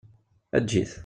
Eǧǧ-it!